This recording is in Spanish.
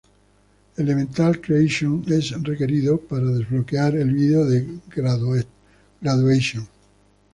Elemental Creation es requerido para desbloquear el video de "Graduation".